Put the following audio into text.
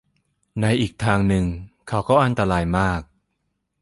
ในอีกทางนึง เขาก็อันตรายมาก